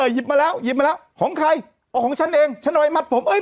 หยิบมาแล้วหยิบมาแล้วของใครเอาของฉันเองฉันเอาไว้มัดผมเอ้ย